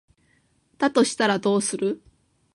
だとしたらどうする？